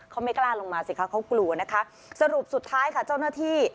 เขาไม่กล้าลงมาสิคะเขากลัวนะคะสรุปสุดท้ายค่ะเจ้าหน้าที่